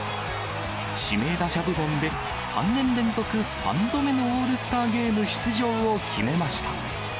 指名打者部門で３年連続３度目のオールスターゲーム出場を決めました。